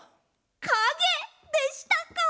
かげでしたか。